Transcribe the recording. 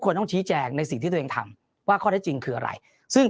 ต้องชี้แจงในสิ่งที่ตัวเองทำว่าข้อได้จริงคืออะไรซึ่ง